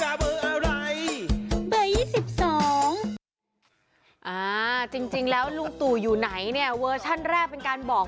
อ่าจริงแล้วลุงตู่อยู่ไหนเนี่ยเวอร์ชันแรกเป็นการบอก